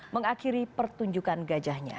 mengakhiri pertunjukan gajahnya